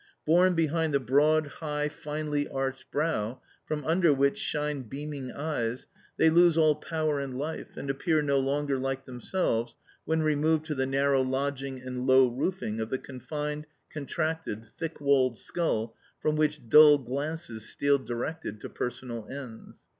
Born behind the broad, high, finely arched brow, from under which shine beaming eyes, they lose all power and life, and appear no longer like themselves, when removed to the narrow lodging and low roofing of the confined, contracted, thick walled skull from which dull glances steal directed to personal ends.